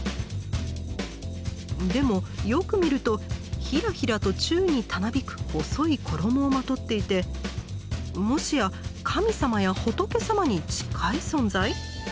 でもよく見るとひらひらと宙にたなびく細い衣をまとっていてもしや神様や仏様に近い存在？